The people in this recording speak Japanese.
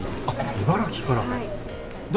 茨城から。